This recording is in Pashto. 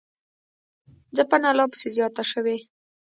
ځپنه لاپسې زیاته شوې